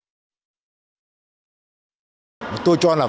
thì đây sẽ là điểm đột phá lớn trong năm hai nghìn hai mươi